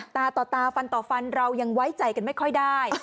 ตาต่อตาฟันต่อฟันเรายังไว้ใจกันไม่ค่อยได้